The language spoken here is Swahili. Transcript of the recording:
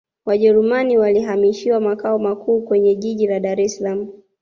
wajerumani walihamishiwa makao makuu kwenye jiji la dar es salaam